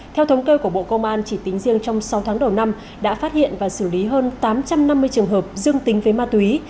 theo thống kê của bộ công an chỉ tính riêng trong sáu tháng đầu năm đã phát hiện và xử lý hơn tám trăm năm mươi trường hợp dương tính với ma túy